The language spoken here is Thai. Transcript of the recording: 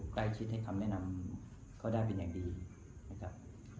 ใกล้ชิดให้คำแนะนำก็ได้เป็นอย่างดีนะครับ